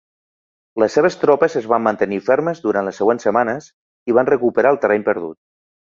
Les seves tropes es van mantenir fermes durant les següents setmanes i van recuperar el terreny perdut.